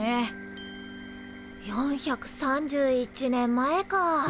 ４３１年前か。